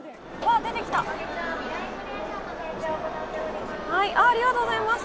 ありがとうございます。